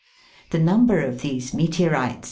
The number of these meteorites (Fig.